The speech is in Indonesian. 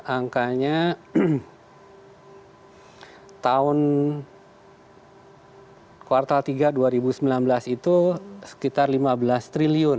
angkanya tahun kuartal tiga dua ribu sembilan belas itu sekitar lima belas triliun